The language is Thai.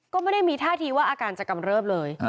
ก็ไม่ได้มีท่าทีว่าอาการจะกำเริบเลย